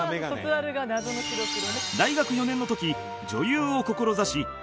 大学４年の時女優を志し